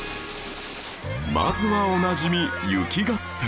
まずはおなじみ雪合戦